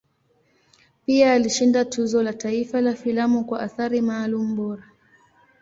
Pia alishinda Tuzo la Taifa la Filamu kwa Athari Maalum Bora.